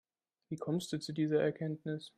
Wie kommst du zu dieser Erkenntnis?